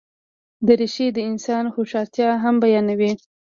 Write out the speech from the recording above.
دریشي د انسان هوښیارتیا هم بیانوي.